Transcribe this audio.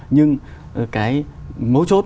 nhưng cái mấu chốt